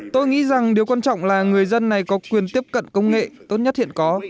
tôi nghĩ rằng điều quan trọng là người dân này có quyền tiếp cận công nghệ tốt nhất hiện có